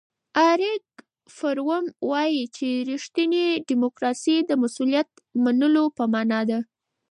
اریک فروم وایي چې ریښتینې دیموکراسي د مسؤلیت منلو په مانا ده.